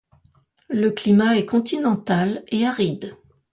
Le climat est continental et aride.